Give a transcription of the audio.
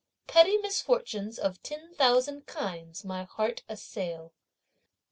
Petty misfortunes of ten thousand kinds (my heart assail!)